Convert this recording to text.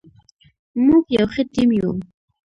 موږ یو ښه ټیم یو.